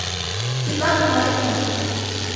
Тидлан палет мо...